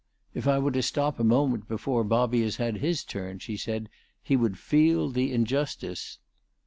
" If I were to stop a moment before Bobby has had his turn," she said, "he would feel the injustice."